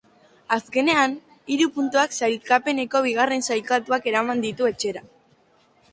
Azkenean, hiru puntuak sailkapeneko bigarren sailkatuak eraman ditu etxera.